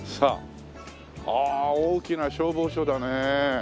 ああ大きな消防署だね。